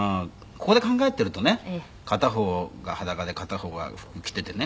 「ここで考えてるとね片方が裸で片方が服着ててね